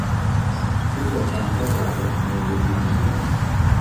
ดูจากการแพร่จากสนามมวยลุมพินี